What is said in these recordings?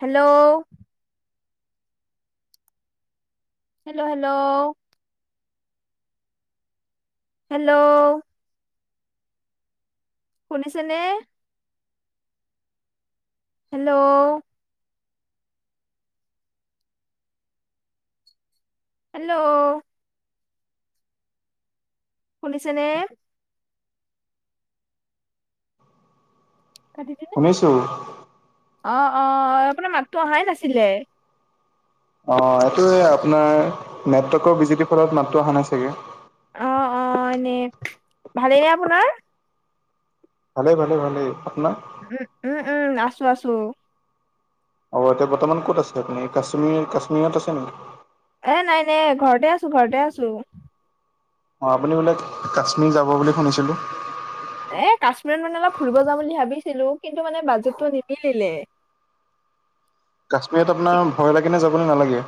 Hello. Hello! Hello! Hello. শুনিছেনে? Hello. Hello. শুনিছেনে? কাতি দিউ শুনিছো। অ অ আপোনাৰ মাতো অহাই নাছিলে। অ এইটোৱে আপোনাৰ নেটৱৰ্কৰ বিজুতিৰ ফলত মাতটো অহা নাই চাগে। অ অ এনে ভালেই নে আপোনাৰ? ভালে-ভালে-ভালে আপোনাৰ? উম-উম-উম, আছোঁ আছোঁ। অ এতিয়া বৰ্তমান ক'ত আছে আপুনি? কাশ্মীৰ কাশ্মীৰত আছে নেকি? এ নাই নাই ঘৰতে আছোঁ, ঘৰতে আছোঁ। অ আপুনি বোলে, কাশ্মীৰ যাব বুলি শুনিছিলো। এ কাশ্মীৰত মানে অলপ ফুৰিব যাওঁ বুলি ভাবিছিলো কিন্তু মানে বাজেটটো নিমিলিলে। কাশ্মীৰত আপোনাৰ ভয় লাগে নে যাবলৈ নালাগে?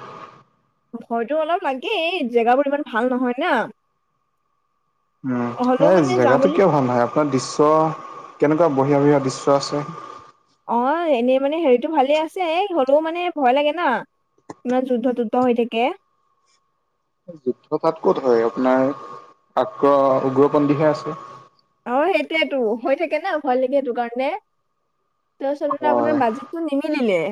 ভয়তো অলপ লাগেই, জেগাবোৰ ইমান ভাল নহয় না। উম হ'লেও সেই মানে যাম জেগাতটো বুলি কিয় ভাল নহয়, আপোনাৰ দৃশ্য কেনেকুৱা বঢ়িয়া-বঢ়িয়া দৃশ্য আছে। অ এনেই মানে হেৰিটো ভালে আছে, হ'লেও মানে ভয় লাগে না। ইমান যুদ্ধ-তুদ্ধ হৈ থাকে। যুদ্ধ তাত ক'ত হয়? আপোনাৰ আগ্ৰ উগ্ৰপন্থীহে আছে। অ সেইটোৱেটো হৈ থাকে না ভয় লাগে সেইটো কাৰণে, তাৰপিছতে হয় আপোনাৰ বাজে টো নিমিলিলে।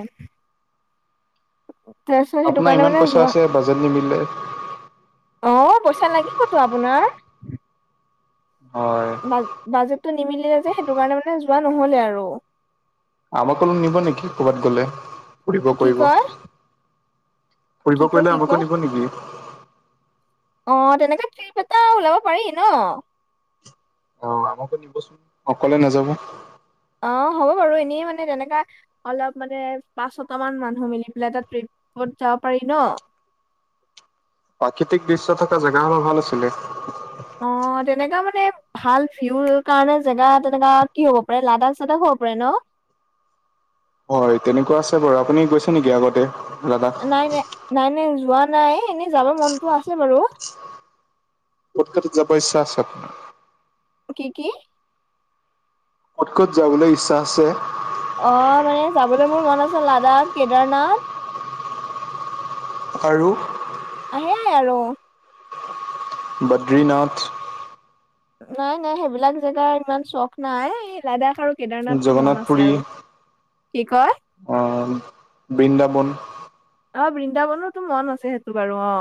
তাৰপিছত, সেইটো আপোনাৰ কাৰণে ইমান মানে পইচা যোৱা আছে বাজেট নিমিলে অ পইচা লাগিবটো আপোনাৰ। হয়। বা বাজেটো নিমিলিলে যে, সেইটো কাৰণে মানে যোৱা নহ'লে আৰু। আমাক নো নিব নেকি ক'ৰবাত গ'লে? ঘুৰিব কি ফুৰিব। কয় কি ফুৰিব কয় কৰিলে কি আমকো কয় নিব নেকি? অ তেনেকে ত্ৰিপ এটা ওলাব পাৰি ন। অ আমাকো নিবচোন অকলে নাযাব। অ হ'ব বাৰু এনেই মানে তেনেকা অলপ মানে পাঁচ ছটা মান মানুহ মিলি পেলাই, এটা ট্ৰিপত যাব পাৰি ন। প্ৰাকৃতিক দৃশ্য থকা জেগা হ'লে ভাল আছিলে। অ' তেনেকা মানে ভাল ভিউৰ কাৰণে জেগা তেনেকা কি হব পাৰে, লাডাখ-চাডাখ হ'ব পাৰে ন। হয় তেনেকুৱা আছে বাৰু, আপুনি গৈছে নেকি আগতে লাডাখ। নাই, নাই। নাই, নাই যোৱা নাই এনেই যাব মনতো আছে বাৰু। ক'ত ক'ত যাব ইচ্ছা আছে। কি কি? ক'ত ক'ত যাবলৈ ইচ্ছা আছে। অ' মানে যাবলৈ মোৰ মন আছে লাডাখ, কেদাৰনাথ। আৰু? হেয়াই আৰু। বদ্ৰীনাথ। নাই, নাই সেইবিলাক জেগাৰ ইমান চখ নাই, লাডাখ আৰু কেদাৰনাথটো জগন্নাথ মন আছে আৰু। কি কয়? অহ' বৃন্দাবন। অ' বৃন্দাবনটো মন আছে, সেইটো বাৰু অ'।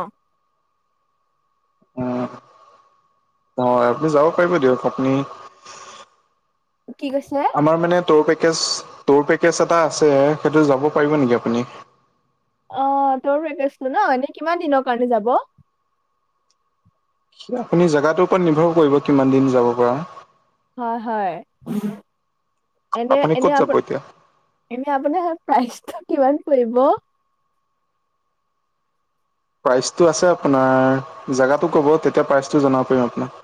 উহ হয়। আপুনি যাব পাৰিব দিয়ক আপুনি কি কৈছে। আমাৰ মানে ত-পেকেজ, ত-পেকেজ এটা আছে, সেইটো যাব পাৰিব নেকি আপুনি। অ' তৰ পেকেষ্টো ন এনেই কিমান দিনৰ কাৰণে যাব। আপুনি জগটোৰ ওপৰত নিৰ্ভৰ কৰিব কিমান দিন যাব পৰা। হয় হয় এনে আপুনি এনে ক'ত আপ। যাব এতিয়া এনে আপোনাৰ প্ৰাইজটো কিমান পৰিব। প্ৰাইচটো আছে আপোনাৰ জোগাটো ক'ব তেতিয়া প্ৰাইচটো জনাব পাৰিম আপোনাক।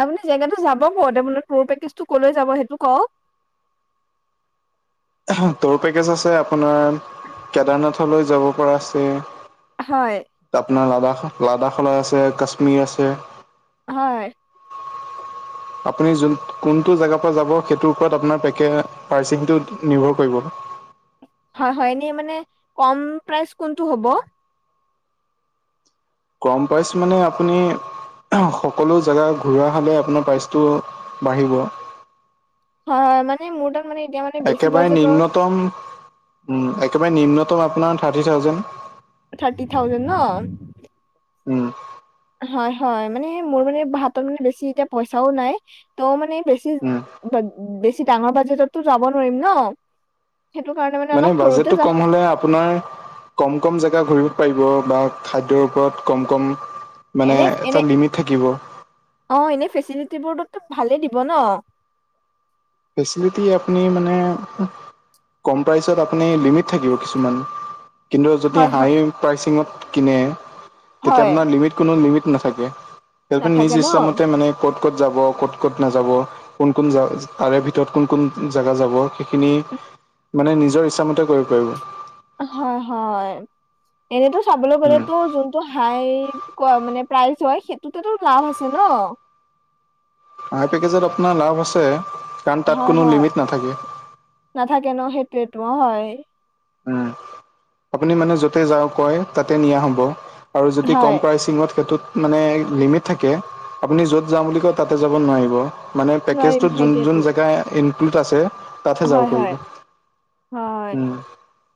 আপুনি জেগাতটো যাব কত আপোনাৰ তৰ পেকেজ টো কলৈ যাব সেইটো ক। টুৰ পেকেজ আছে আপোনাৰ কেদাৰনাথলৈ যাব পৰা আছে। হয়। আপোনাৰ লাডাখ লাডাখলৈ আছে কাশ্মীৰ আছে। হয়। আপুনিটো জুন, কোনটো জেগা পা যাব, সেইটোৰ ওপৰত আপোনাৰ পেকে পৰ্শিং টো নিব কৰিব। হয়' হয় এনে মানে, কম প্ৰাইচ কোনটো হ'ব। কম পাইচ মানে আপুনি সকলো জেগা ঘূৰোৱা হলে আপোনাৰ প্ৰাইচটো বাঢ়িব। হয়, হয় মানে মোৰ তাক একেবাৰে নিম্নতম, উহ একেবাৰে নিম্নতম আপোনাৰ থাৰ্টি থাউজেণ্ড থাৰ্টি থাউজেণ্ড ন। উম। হয় হয় মানে মোৰ মানে হাতত মানে বেছি এতিয়া পইচাও নাই ত মানে বেছি। উম, বেছি ডাঙৰ বাজেটতো যাব নোৱাৰম ন সেইটো কাৰণে। মানে অলপ সৰুতে বাজেটটো যাওঁ কম হ'লে আপোনাৰ। কম কম জেগা ঘূৰিব পাৰিব বা খাদ্যৰ ওপৰত কম কম। মানে এনে এটা এনে লিমিট থাকিব। অ এনেই ফেচিলিটি বোৰ তো ভালেই দিব ন। ফেচিলিটি আপুনি মানে। কম প্ৰচত আপুনি লিমিট থাকিব কিছুমান। কিন্তু যদি হয় হাই হয় প্ৰাইচিঙত কিনে, তেতিয়া হয় আপোনাৰ লিমিট- কোনো লিমিট নাথাকে, নিজ নাথাকে ন ইচ্ছামতে মানে- ক'ত ক'ত যাব ক'ত ক'ত নাযাব কোন কোন য তাৰে ভিতৰত কোন কোন জোগা যাব সেইখিনি, মানে নিজৰ ইচ্ছামতে কৰিব পাৰিব। হয় হয়, এনেতো চাবলৈ উম। গ'লেতো যোন টো হাই ক মানে প্ৰাইজ হয় সেইটোতে তো লাভ আছে ন। আই পেকেজত আপোনাৰ লাভ আছে, কাৰণ তাত হয় কোনো হয় লিমিট নাথাকে। নাথাকে ন সেইটোৱটো হয়। উম, আপুনি মানে য'তে যাও কয় তাতে নিয়া হব। আৰু যদি হয়, কম প্ৰাইচিঙত সেইটোত- মানে লিমিট থাকে আপুনি য'ত যাওঁ বুলি কয় তাতে যাব নোৱাৰিব। মানে নোৱাৰিম পেকেজটোত যোন সেইটোয়েতো যোন জেগা ইনক্লুড আছে। তাতহে যাব হয়, হয়, পাৰিব, হয়, উম।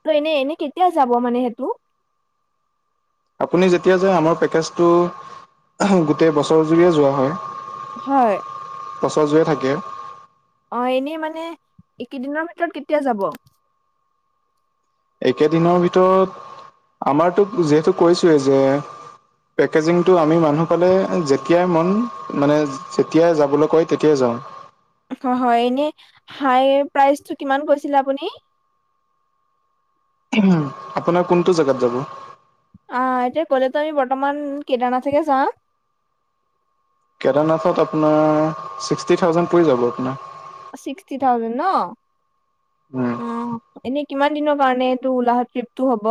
ত এনেই এনে কেতিয়া যাব মানে সেইটো। আপুনি যেতিয়া যে আমাৰ পেকেজটো, গোটেই বছৰ জুৰিয়ে যোৱা হয়। হয়। বছৰজুৰি থাকে। অ এনেই মানে, এইকেইদিনৰ ভিতৰত কেতিয়া যাব? একেদিনৰ ভিতৰত, আমাৰতো যিহেতু কৈছোয়ে যে- পেকেজিংটো আমি মানুহ পালে যেতিয়াই মন মানে যেতিয়াই যাবলৈ কয় তেতিয়াই যাওঁ। হয় হয় এনে হাই প্ৰাইচটো কিমান কৈছিলে আপুনি। আপোনাৰ কোনটো জোগাত যাব? আহ এতিয়া ক'লেতো আমি বৰ্তমান কেদৰনাথ যাম। কেদাৰনাথত আপোনাৰ ছিক্সটি থাউজেণ্ড পৰি যাব আপোনাৰ। ছিক্সটি থাউজেণ্ড ন, উম, অহ এনেই কিমান - দিনৰ কাৰণ এইটো উলাঘ টিপটো হ'ব?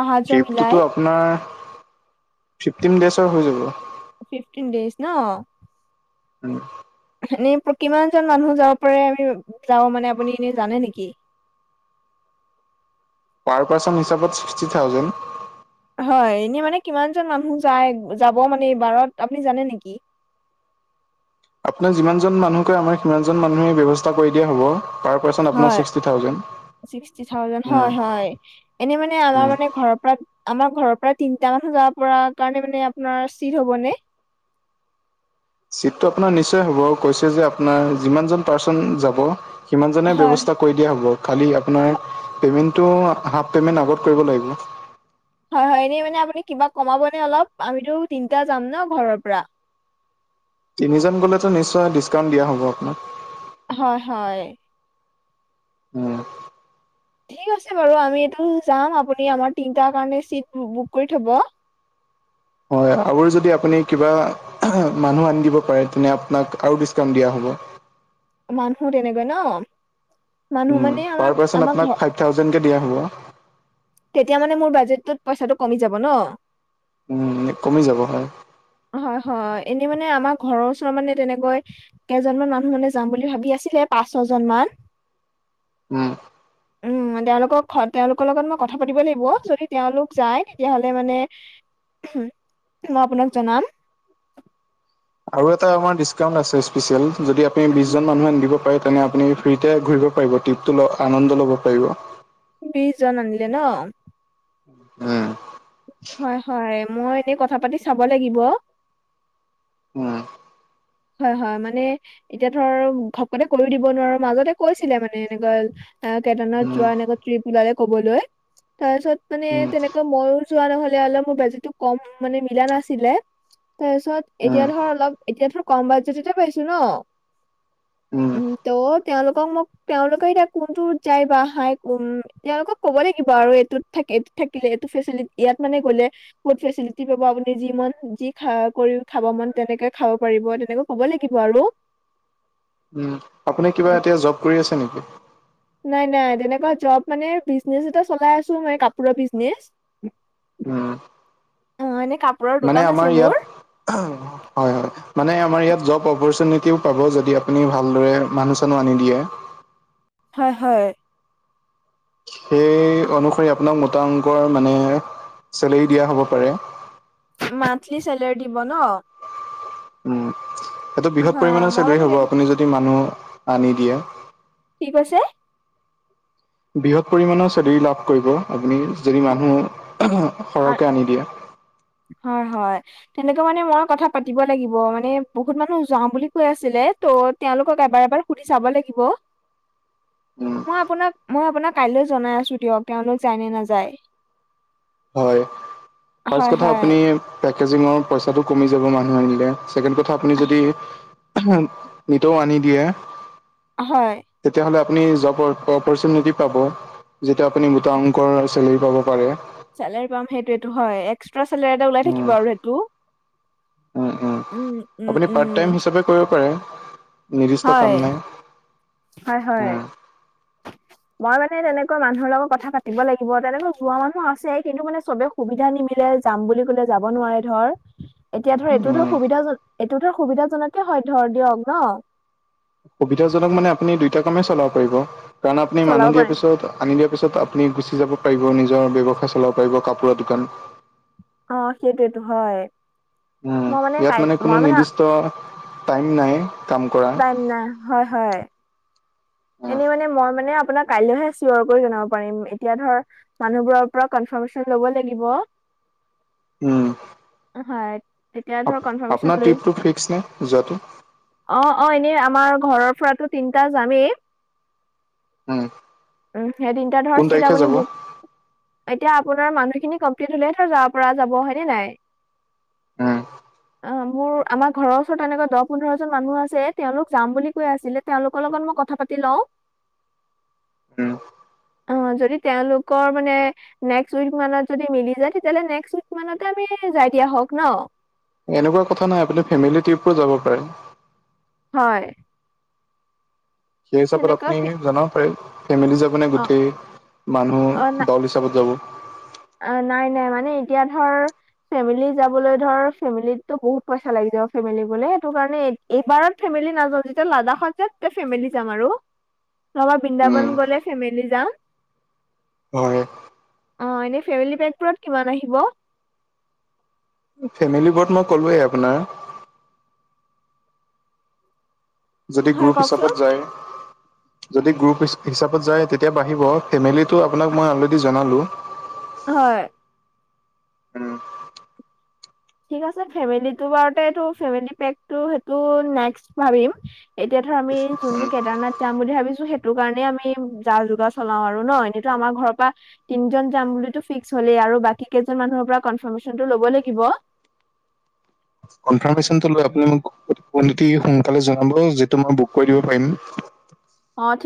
আহা যোৱা মিলাই ট্ৰিপটোতো আপোনাৰ, ফিফটিন ডেজৰ হৈ যাব। ফিফটিন ডেইজ ন। উম। এনেই কিমানজন মানুহ যাব পাৰে আমি যাওঁ মানে আপুনি এনে জানে নেকি? পাৰ পাৰ্চন হিচাপত ছিক্সটি থাউজেণ্ড। হয় এনেই মানে কিমান জন মানুহ যায় যাব মানে এইবাৰত আপুনি জানে নেকি? আপোনাক যিমানজন মানুহ কয় আমাৰ সিমানজন মানুহে ব্যৱস্থা কৰি দিয়া হ'ব। পাৰ পাৰ্চন আপোনাৰ হয়, ছিক্সটি থাউজেণ্ড। ছিক্সটি থাউজেণ্ড উম, হয় হয় এনে মানে আমাৰ উম। মানে ঘৰৰ পৰা- আমাৰ ঘৰৰ পৰা তিনিটা মানুহ জাব পৰা কাৰণে মানে আপোনাৰ চিট হব নে? চিটটো আপোনাৰ নিশ্চয় হ'ব কৈছে যে আপোনাৰ যিমানজন পাৰ্চন যাব সিমান জনে হয়, ব্যয়ৱস্থা- কৰি দিয়া হ'ব খালি আপোনাৰ হয়, পে'মেণ্টটো হাফ পে'মেণ্ট আগত কৰিব লাগিব। হয় হয় এনেই মানে আপুনি কিবা কমাবনে অলপ আমিতো তিনিটা যাম ন ঘৰৰ পৰা। তিনিজন গলেতো নিশ্চয় ডিছকাউণ্ট দিয়া হ'ব আপোনাক। হয় হয়। উম। ঠিক আছে বাৰু আমি এইটো যাম আপুনি আমাৰ তিনটাৰ কাৰণে চিট বুক কৰি থব। হয় আৰু যদি আপুনি কিবা- মানুহ আনি দিব পাৰে তেনে আপোনাক আৰু ডিচকাউণ্ট দিয়া হ'ব। মানুহ তেনেকৈ ন। মানুহ উম, মানে আমাৰ পাৰ পাৰ্চন আমাৰ আপোনাক ঘৰ ফাইভ থাউজেণ্ড কে দিয়া হ'ব। তেতিয়া মানে মোৰ বাজেটোত পইচাটো কমি যাব ন? উম, কমি যাব হয়। হয়, হয়, এনেই মানে আমাৰ ঘৰৰ ওচৰত মানে তেনেকৈ কেইজনমান মানুহ হ'লে যাম বুলি ভাবি আছিলে পাঁচ ছয় জন মান। উম। [inaudible] উম, তেওঁলোকক তেওঁলোকৰ লগত মই কথা পাতিব লাগিব যদি তেওঁলোক যায় তেতিয়াহ'লে মানে মই আপোনাক জনাম। আৰু এটা আমাৰ ডিচকাউণ্ট আছে স্পেচিয়েল যদি আপুনি বিশজন মানুহ আন দিব পাৰে৷ তেনে আপুনি ফ্ৰীতে ঘূৰিব পাৰিব ট্ৰিপটো আনন্দ ল'ব পাৰিব। বিশজন আনিলে ন? উম। হয়, হয়, মই এনেই কথা পাতি চাব লাগিব। উম। হয়, হয়, মানে এতিয়া ধৰ ঘপকতে কৈওঁ দিব নোৱাৰো মাজতে কৈছিলে মানে এনেকুৱা আহ কেদাৰনাথ উম, যোৱা এনেকুৱা ট্ৰিপ ওলালে ক'বলৈ। তাৰপিছত মানে উম, তেনেকৈ মইয়ো যোৱা নহ'লে অলপ মোৰ বাজেটতো কম মানে মিলা নাছিলে। তাৰপিছত এতিয়া উম, ধৰ অলপ এতিয়া ধৰ কম বাজেটতে পাইছো ন। উম, ত' তেওঁলোকক মোক তেওঁলোকে এতিয়া কোনটো যায় বা হাই উম তেঁওলোকক ক'ব লাগিব আৰু এইটোত থাকি এইটোত থাকিলে এইটো ফেচিলি ইয়াত মানে গ'লে বহুত ফেচিলিটি পাব আপুনি যি মন যি খা কৰিও খাব মন তেনেকে খাব পাৰি মই তেনেকৈ ক'ব লাগিব আৰু। উম, আপুনি কিবা উম, এতিয়া জব কৰি আছে নেকি? নাই নাই তেনেকুৱা জব মানে বিজনেচ এটা চলাই আছো মই কাপোৰৰ বিজনেচ। উম। অ', এনে কাপ মানে আমাৰ ইয়াত হয় হয়। মানে আমাৰ ইয়াত জব অপৰ্চোনিতিও পাব যদি আপুনি ভালদৰে মানু্হ চানুহ আনি দিয়ে। হয়, হয়। সেই অনুসৰি আপোনাক মোটা অংকৰ মানে চেলাৰী দিয়া হ'ব পাৰে। মান্থলি চেলোৰী দিব ন? উম, সেইটো অ বৃহৎ পৰিমাণৰ মই চেলাৰি মানে হ'ব আপুনি যদি মানুহ আনি দিয়ে। কি কৈছে? বৃহৎ পৰিমণৰ চেলাৰি লাভ কৰিব আপুনি যদি মানুহ সৰহকে আনি দিয়ে। হয়, হয়। তেনেকৈ মানে মই কথা পাতিব লাগিব মানে বহুত মানুহ যাওঁ বুলি কৈ আছিলে। ত' তেওঁলোকক এবাৰ এবাৰ সুধি চাব লাগিব। উম, মই আপোনাক মই আপোনাক কাইলৈ জনাই আছোঁ দিয়ক তেওঁলোক যায় নে নাযায়। হয়, ফাৰ্ষ্ট হয় কথা হয় আপুনি পেকেজিঙৰ পইচাটো কমি যাব মানুহ আনিলে। ছেকেণ্ড কথা আপুনি যদি নিতৌ আনি দিয়ে। হয়। তেতিয়াহ'লে আপুনি জব অপৰ্চোনিতি পাব। যিটো আপুনি গোটা অংকৰ চেলাৰী পাব পাৰে। চেলাৰী পাম সেইটো এইটো হয়, এক্সট্ৰা চেলাৰী এটা ওলাই উম থাকিব আৰু সেইটো। উম উম উম আপুনি উম পাৰ্ট টাইম হিচাপে কৰিব পাৰে নিৰ্দিষ্ট হয় কাম নাই। হয় হয়। মই মানে তেনেকুৱা মানুহৰ লগত কথা পাতিব লাগিব তেনেকা যোৱা মানুহ আছে কিন্তু মানে চবে সুবিধা নিমিলে যাম বুলি কলে যাব নোৱাৰে ধৰ। এতিয়া ধৰ এইটো টো উম সুবিধাজন এইটো ধৰ সুবিধাজনকে হয় ধৰ দিয়ক ন'। সুবিধাজনক মানে আপুনি দুইটা কামেই চলাব পাৰিব কাৰণ আপুনি চলাব মানুহ দিয়াৰ পাৰিম। পিছত আনি দিয়াৰ পিছত আপুনি গুচি যাব পাৰিব নিজৰ ব্যৱসায় চলাব পাৰিব কাপোৰৰ দোকান। অ', সেইটোয়েতো হয়। উম, মই ইয়াত কাই মানে কোনো মই নিৰ্দিষ্ট টাইম নাই। কাম কৰা টাইম নাই হয় হয়। উম এনেই মানে মই মানে আপোনাক কাইলৈহে চিয়ৰ কৰি জনাব পাৰিম এতিয়া ধৰ মানুহবোৰৰ পৰা কনফাৰ্মেশ্যন ল'ব লাগিব। উম, হয় তেতিয়া আপ ধৰ কনফাৰ্মেশচন আপোনাৰ লৈ অ', ট্ৰিপটো ফিক্স নে যোৱাটো? অ', এনেই আমাৰ ঘৰৰ পৰাতো তিনটা যামেই। উম,। উম, সেই তিনটা কোন ধৰ চিট তাৰিখে আপুনি যাব? বুক এতিয়া আপোনাৰ মানুহখিনি কমপ্লিট হলেহে ধৰ যাব পৰা যাব হয় নে নাই। উম, অ', মোৰ আমাৰ ঘৰৰ ওচৰত এনেকোৱা দহ পোন্ধৰ জন মানুহ আছে তেওঁলোক যাম বুলি কৈ আছিলে তেওঁলোকৰ লগত মই কথা পাতি তি লওঁ উম,। অ', যদি তেওঁলোকৰ মানে নেক্সট উইক মানত যদি মিলি যায় তেতিয়াহ'লে নেক্সট উইক মানতে আমি যাই দিয়া হওক ন'। এনেকুৱা কথা নাই আপুনি ফেমিলী ট্ৰিপো যাব পাৰে। হয়। সেই হিচাপত তেনেকুৱা আপুনি ফে জনাব পাৰে ফেমিলি যাবনে অ', গোটেই মানুহ অ', না দল হিচাপে পে যাব। অ', নাই নাই মানে এতিয়া ধৰ ফেমিলি যাবলৈ ধৰ ফেমিলিততো বহুত পইচা লাগি যাব ফেমিলি বোলে সেইটো কাৰণে এইবাৰত ফেমিলি নাযাওঁ যেতিয়া লাডাখত যাম তেতিয়া ফেমিলি যাম আৰু। নহবা বৃন্দাবন উম, গলে ফেমিলি যাম। হয়। অ', এনে ফেমিলি পেকত কিমান আহিব? ফেমিলি বোৰত মই ক'লোৱে আপোনাৰ। যদি হয় গ্ৰুপ কওকচোন হিচাপত যায় যদি গ্ৰুপ হিচ হিচাপত যায় তেতিয়া বাঢ়িব ফেমিলিটো আপোনাক মই অলৰেডি জনালো হয় ঠিক আছে ফেমেলিটো বাৰতে এইটো ফেমিলি পেক টো সেইটো নেষ্ট ভাবিম এতিয়া ধৰ আমি যোনটো কেদাৰনাথ যাম বুলি ভাবিছো সেইটো কাৰণে আমি যা যোগাৰ চলাও আৰু ন এতিয়া টো আমাৰ ঘৰৰ পৰা তিনজন যাম বুলি টো ফিক্স হলেই আৰু বাকী কেইজন মানুহৰ পৰা কনফাৰ্মেশন টো ল'ব লাগিব কনফাৰ্মেশনটো লৈ মোক আপুনি মোক অতি সোনকালে জনাব যিহেতু মই বুক কৰি দিব পাৰিম অ ঠিক